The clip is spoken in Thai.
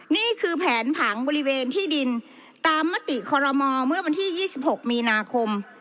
นี่คือแผนผังบริเวณที่ดินตามมติคอรมอเมื่อวันที่๒๖มีนาคม